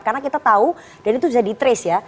karena kita tahu dan itu sudah di trace ya